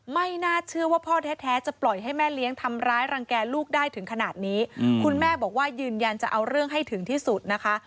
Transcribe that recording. ไม่น่าเชื่อว่าพ่อแท้จะปล่อยให้แม่เลี้ยงทำร้ายรังแก่ลูกได้ถึงขนาดนี้คุณแม่บอกว่ายืนยันจะเอาเรื่องให้ถึงที่สุดนะคะ